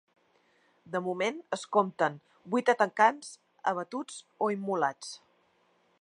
De moment, es compten vuit atacants abatuts o immolats.